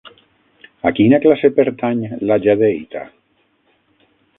A quina classe pertany la jadeïta?